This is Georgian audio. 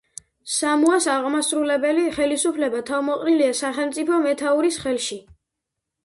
სამოას აღმასრულებელი ხელისუფლება თავმოყრილია სახელმწიფოს მეთაურის ხელში.